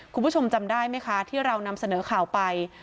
คุณผู้ชมจำได้ไหมคะที่เรานำเสนอข่าวไป